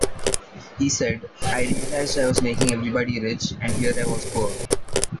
He said, "I realised I was making everybody rich, and here I was poor".